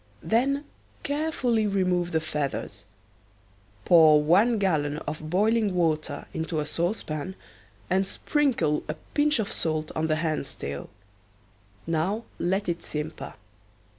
Then carefully remove the feathers. Pour one gallon of boiling water into a saucepan and sprinkle a pinch of salt on the hen's tail. Now let it simper.